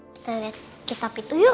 kita lihat kitab itu yuk